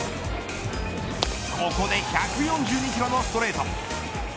ここで１４２キロのストレート。